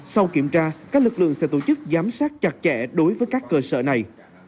sau kiểm tra các lực lượng sẽ tổ chức giám sát chặt chẽ đối với các cơ sở này